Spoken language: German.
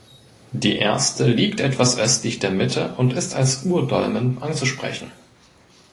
Die erste liegt etwas östlich der Mitte und ist als Urdolmen anzusprechen.